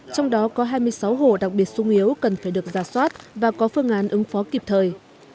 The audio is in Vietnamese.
trong đó có hai mươi sáu hồ đặc biệt sung yếu cần phải được giả soát và có phương án ứng phó kịp thời